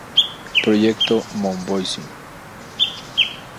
Proyecto "Monvoisin".